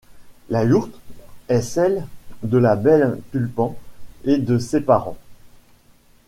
La yourte est celle de la belle Tulpan et de ses parents.